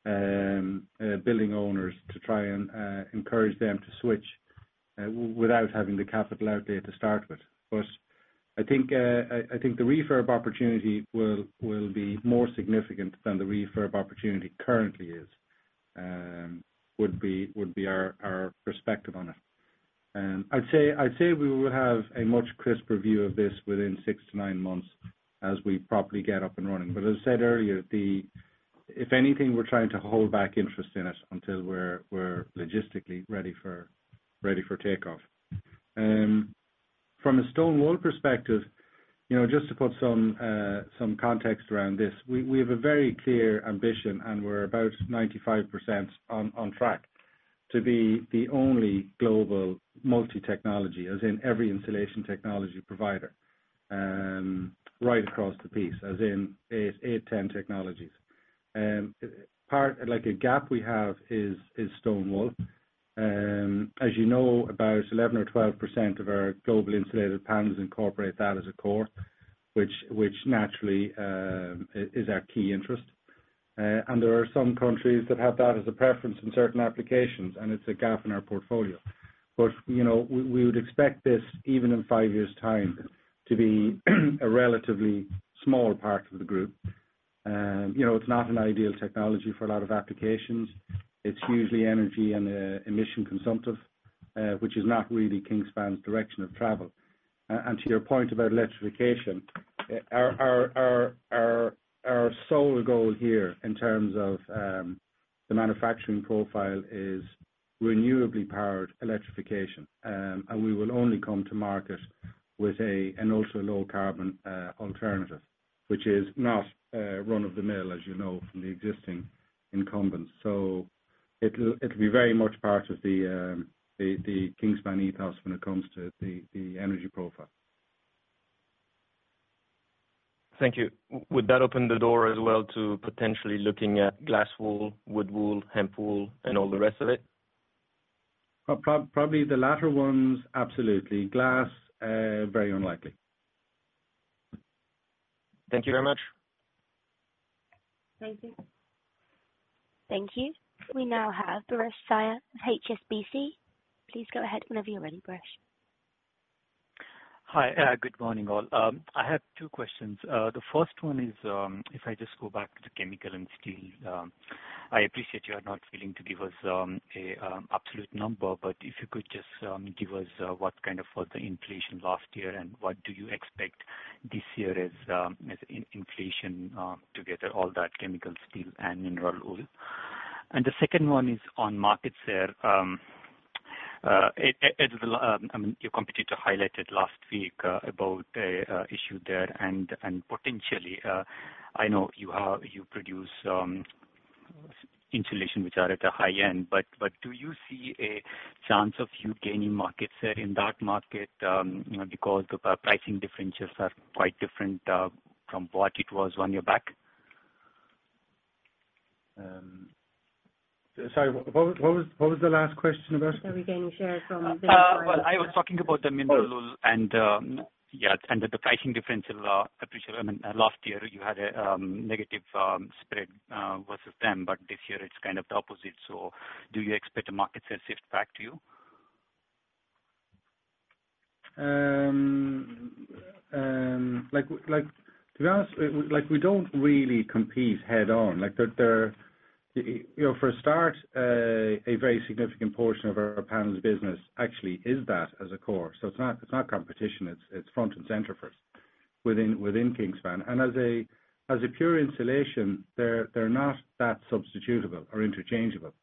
building owners to try and encourage them to switch without having the capital out there to start with. I think the refurb opportunity will be more significant than the refurb opportunity currently is, our perspective on it. We will have a much crisper view of this within six to nine months as we properly get up and running. As I said earlier, if anything, we're trying to hold back interest in it until we're logistically ready for takeoff. From a stone wool perspective, you know, just to put some context around this, we have a very clear ambition, and we're about 95% on track to be the only global multi-technology, as in every insulation technology provider, right across the piece, as in eight 10 technologies. A gap we have is stone wool. As you know, about 11% or 12% of our global insulated panels incorporate that as a core, which naturally is our key interest. There are some countries that have that as a preference in certain applications, and it's a gap in our portfolio. You know, we would expect this, even in five years' time, to be a relatively small part of the group. You know, it's not an ideal technology for a lot of applications. It's hugely energy and emission consumptive. Which is not really Kingspan's direction of travel. To your point about electrification, our sole goal here in terms of the manufacturing profile is renewably powered electrification. We will only come to market with a, an ultra-low carbon alternative, which is not run-of-the-mill, as you know, from the existing incumbents. It'll be very much part of the Kingspan ethos when it comes to the energy profile. Thank you. Would that open the door as well to potentially looking at glass wool, wood wool, hemp wool, and all the rest of it? Probably the latter ones, absolutely. Glass, very unlikely. Thank you very much. Thank you. Thank you. We now have Paresh Shah of HSBC. Please go ahead whenever you're ready, Paresh. Hi, good morning, all. I have two questions. The first one is, if I just go back to the chemical and steel. I appreciate you are not willing to give us a absolute number, but if you could just give us what kind of was the inflation last year and what do you expect this year as in-inflation together, all that chemical, steel and mineral oil. The second one is on market share. As your competitor highlighted last week, about a issue there and potentially, I know you produce insulation which are at the high end. Do you see a chance of you gaining market share in that market, you know, because the pricing differentials are quite different from what it was one year back? Sorry, what was the last question about? Are we gaining share? Well, I was talking about the mineral wool and, yeah, and the pricing differential, I appreciate. I mean, last year you had a negative spread versus them, but this year it's kind of the opposite. Do you expect the market share shift back to you? to be honest, like we don't really compete head on. You know, for a start, a very significant portion of our panels business actually is that as a core. It's not competition, it's front and center for us within Kingspan. As a pure insulation, they're not that substitutable or interchangeable.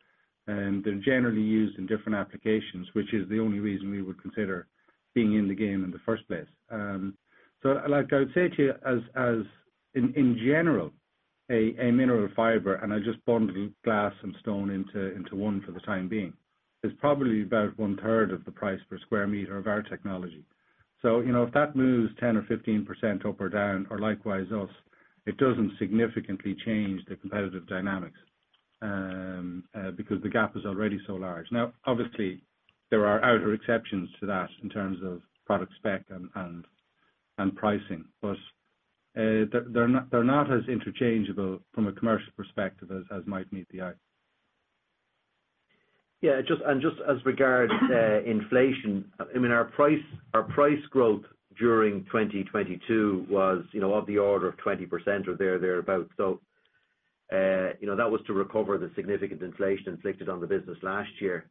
They're generally used in different applications, which is the only reason we would consider being in the game in the first place. like I would say to you as in general, a mineral fiber, and I just bundled glass and stone into one for the time being, is probably about one third of the price per square meter of our technology. You know, if that moves 10% or 15% up or down or likewise us, it doesn't significantly change the competitive dynamics because the gap is already so large. Obviously there are outer exceptions to that in terms of product spec and pricing. They're not as interchangeable from a commercial perspective as might meet the eye. Just, and just as regard inflation, I mean, our price growth during 2022 was, you know, of the order of 20% or thereabout. You know, that was to recover the significant inflation inflicted on the business last year.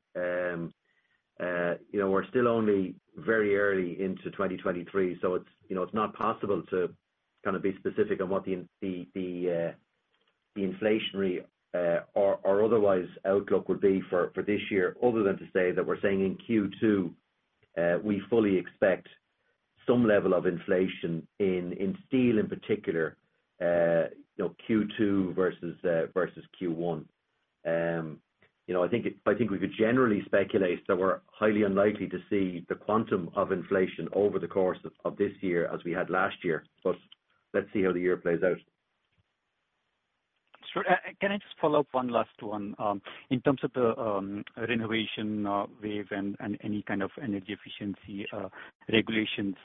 You know, we're still only very early into 2023, so it's, you know, it's not possible to kind of be specific on what the inflationary or otherwise outlook would be for this year other than to say that we're saying in Q2, we fully expect some level of inflation in steel in particular, you know, Q2 versus Q1. You know, I think we could generally speculate that we're highly unlikely to see the quantum of inflation over the course of this year as we had last year. Let's see how the year plays out. Sure. Can I just follow up one last one, in terms of the renovation wave and any kind of energy efficiency regulations.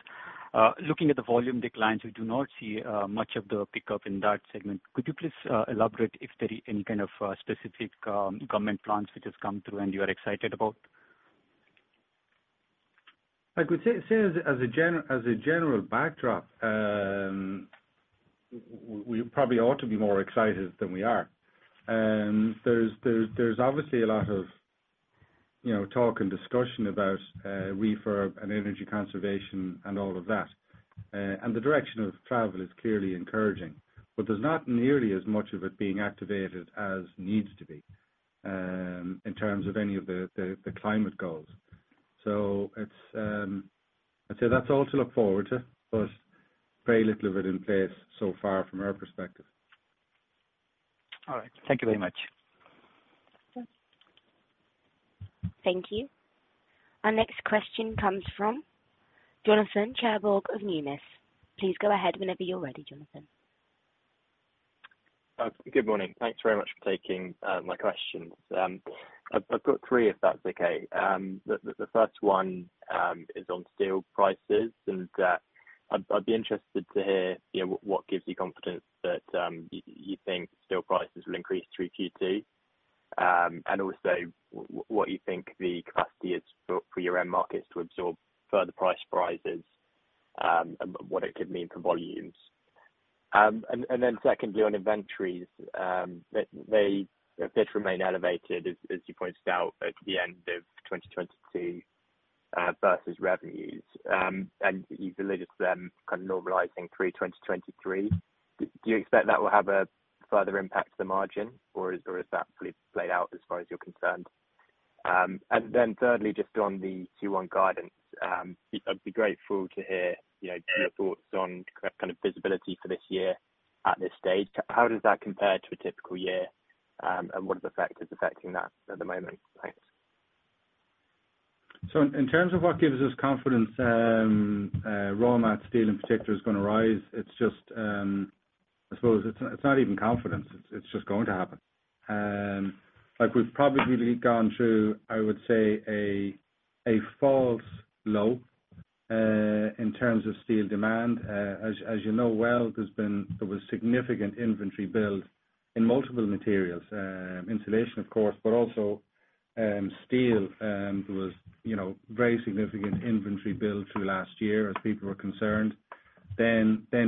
Looking at the volume declines, we do not see much of the pickup in that segment. Could you please elaborate if there is any kind of specific government plans which has come through and you are excited about? I could say as a general backdrop, we probably ought to be more excited than we are. There's obviously a lot of, you know, talk and discussion about refurb and energy conservation and all of that. The direction of travel is clearly encouraging. There's not nearly as much of it being activated as needs to be in terms of any of the climate goals. It's, I'd say that's all to look forward to, but very little of it in place so far from our perspective. All right. Thank you very much. Thank you. Thank you. Our next question comes from Jonathan Bell of Berenberg. Please go ahead whenever you're ready, Jonathan. Good morning. Thanks very much for taking my questions. I've got three, if that's okay. The first one is on steel prices. I'd be interested to hear, you know, what gives you confidence that you think steel prices will increase through Q2. Also what you think the capacity is for your end markets to absorb further price rises, and what it could mean for volumes. Secondly on inventories, they did remain elevated as you pointed out at the end of 2022 versus revenues. You've alluded to them kind of normalizing through 2023. Do you expect that will have a further impact to the margin, or is that fully played out as far as you're concerned? Then thirdly, just on the 2-1 guidance, I'd be grateful to hear, you know, your thoughts on kind of visibility for this year at this stage. How does that compare to a typical year, and what are the factors affecting that at the moment? Thanks. In terms of what gives us confidence, raw mat steel in particular is gonna rise. It's just, I suppose it's not even confidence, it's just going to happen. Like we've probably gone through, I would say a false low, in terms of steel demand. As, as you know well, there was significant inventory build in multiple materials. Insulation of course, but also, steel. There was, you know, very significant inventory build through last year as people were concerned.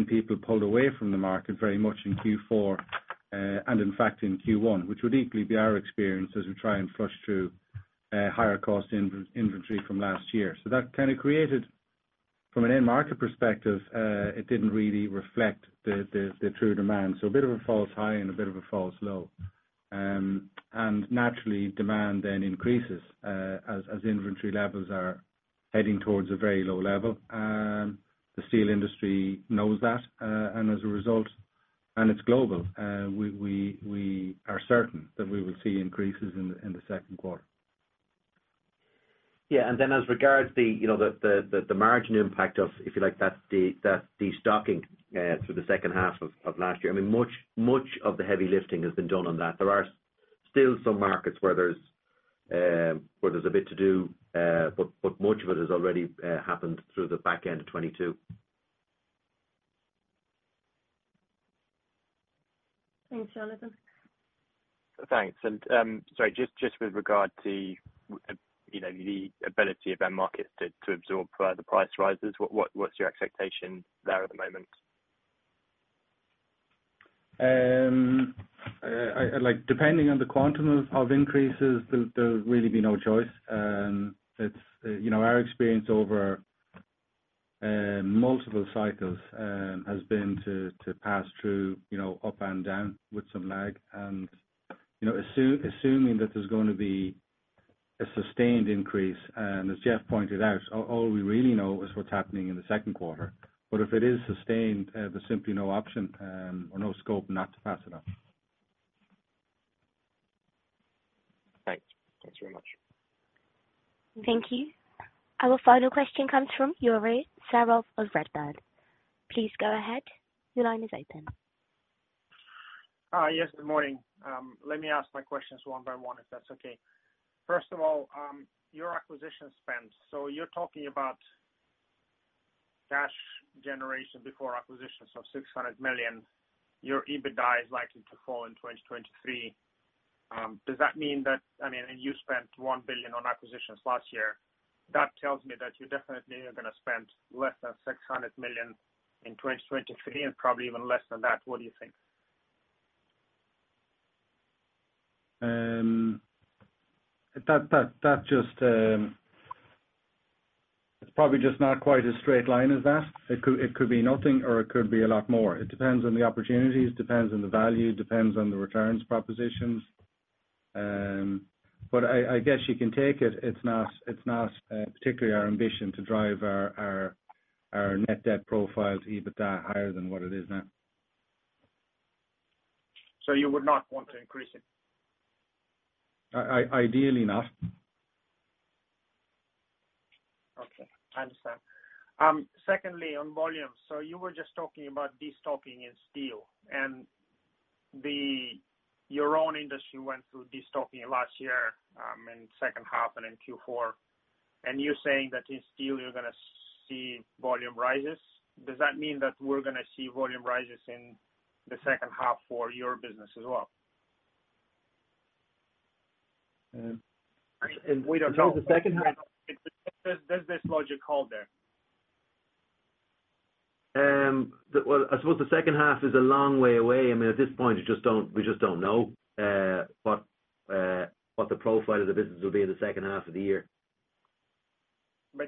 People pulled away from the market very much in Q4, and in fact in Q1, which would equally be our experience as we try and flush through, higher cost inventory from last year. That kind of created, from an end market perspective, it didn't really reflect the, the true demand. A bit of a false high and a bit of a false low. Naturally demand then increases as inventory levels are heading towards a very low level. The steel industry knows that, as a result, and it's global, we are certain that we will see increases in the second quarter. Yeah. As regards the, you know, the margin impact of, if you like, that de-stocking through the second half of last year, I mean much of the heavy lifting has been done on that. There are still some markets where there's a bit to do, but much of it has already happened through the back end of 2022. Thanks, Jonathan. Thanks. Sorry, just with regard to, you know, the ability of end markets to absorb further price rises, what's your expectation there at the moment? Like depending on the quantum of increases, there'll really be no choice. It's, you know, our experience over multiple cycles has been to pass through, you know, up and down with some lag and, you know, assuming that there's going to be a sustained increase, and as Geoff pointed out, all we really know is what's happening in the second quarter. If it is sustained, there's simply no option, or no scope not to pass it on. Thanks. Thanks very much. Thank you. Our final question comes from Yuri Serov of Redburn. Please go ahead. Your line is open. Yes, good morning. Let me ask my questions one by one, if that's okay. First of all, your acquisition spends. You're talking about cash generation before acquisition, so 600 million. Your EBITDA is likely to fall in 2023. Does that mean that I mean, you spent 1 billion on acquisitions last year? That tells me that you definitely are gonna spend less than 600 million in 2023, and probably even less than that. What do you think? That just, it's probably just not quite as straight line as that. It could, it could be nothing or it could be a lot more. It depends on the opportunities, depends on the value, depends on the returns propositions. I guess you can take it. It's not, it's not, particularly our ambition to drive our Net debt to EBITDA higher than what it is now. You would not want to increase it? Ideally not. Okay. I understand. Secondly, on volume. You were just talking about de-stocking in steel and your own industry went through de-stocking last year, in the second half and in Q4, and you're saying that in steel you're gonna see volume rises. Does that mean that we're gonna see volume rises in the second half for your business as well? We don't know. Does this logic hold there? Well, I suppose the second half is a long way away. I mean, at this point we just don't know what the profile of the business will be in the second half of the year.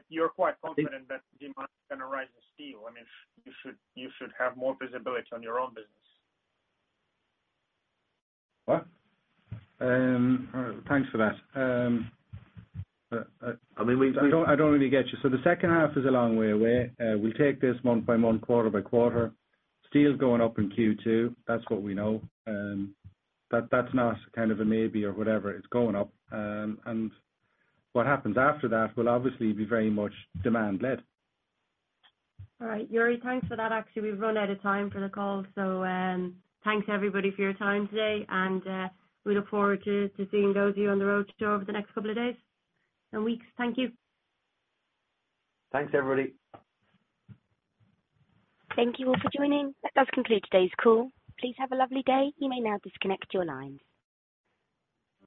You're quite confident that demand is gonna rise in steel. I mean, you should have more visibility on your own business. What? Thanks for that. I don't really get you. The second half is a long way away. We take this month by month, quarter by quarter. Steel's going up in Q2. That's what we know. That's not kind of a maybe or whatever, it's going up. What happens after that will obviously be very much demand led. All right, Yuri, thanks for that. Actually, we've run out of time for the call. Thanks everybody for your time today and, we look forward to seeing those of you on the road show over the next couple of days and weeks. Thank you. Thanks, everybody. Thank you all for joining. That does conclude today's call. Please have a lovely day. You may now disconnect your lines.